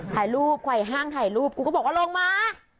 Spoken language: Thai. ถ่ายรูปไวห้างถ่ายรูปกูก็บอกว่าลงมา